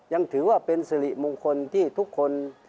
ยังถือว่าเป็นสิริมงคลที่ทุกคน